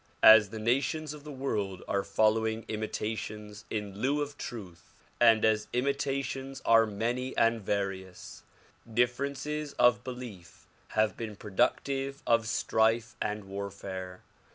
As the nations of the world are following imitations in lieu of truth and as imitations are many and various, differences of belief have been productive of strife and warfare.